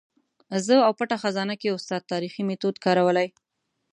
زه او پټه خزانه کې استاد تاریخي میتود کارولی.